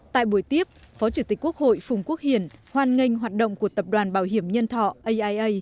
tại buổi tiếp phó chủ tịch quốc hội phùng quốc hiển hoan nghênh hoạt động của tập đoàn bảo hiểm nhân thọ aia